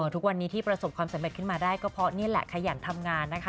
ทุกวันนี้ที่ประสบความสำเร็จขึ้นมาได้ก็เพราะนี่แหละขยันทำงานนะคะ